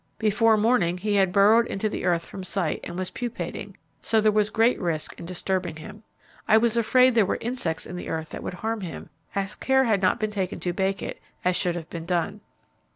Before morning he had burrowed into the earth from sight, and was pupating, so there was great risk in disturbing him. I was afraid there were insects in the earth that would harm him, as care had not been taken to bake it, as should have been done.